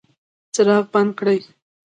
څراغ بند کړئ